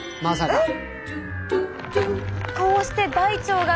えっ！